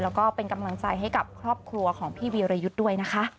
แล้วก็เป็นกำลังใจให้กับครอบครัวของพี่วีรยุทธ์ด้วยนะคะ